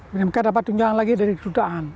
maka dapat tunjangan lagi dari kerutaan